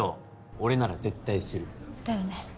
俺なら絶対するだよね